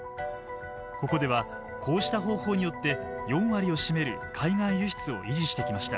ここではこうした方法によって４割を占める海外輸出を維持してきました。